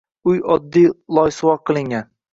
Uy oddiy loysuvoq qilingan.